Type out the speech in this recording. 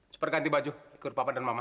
cepat ganti baju ikut papa dan mama